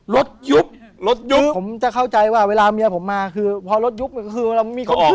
ยุบรถยุบผมจะเข้าใจว่าเวลาเมียผมมาคือพอรถยุบก็คือเรามีของ